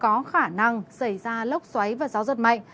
trong mưa rông có khả năng xảy ra lốc xoáy và gió rất mạnh